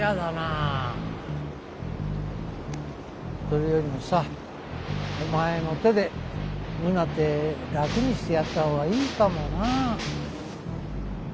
それよりもさお前の手でムナテ楽にしてやった方がいいかもな。